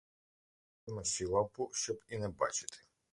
Погасила мерщій лампу, щоб і не бачити.